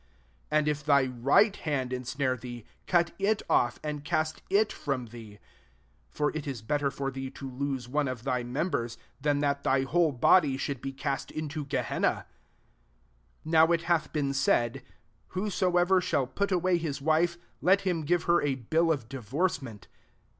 SO And if thy right hand insnare thee, cot it off, and cast is from thee : for it is better for thee to lose one oi thy members, than that thy whole body should be cast into Gehenna. 31 <« Now it hath been said, < Whosoever shall put away his wife, let him give her a bill of divorcement.'